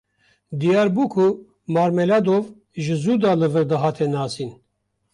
Diyar bû ku Marmeladov ji zû de li vir dihate nasîn.